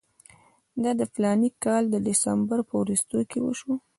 دا د فلاني کال د ډسمبر په وروستیو کې وشو.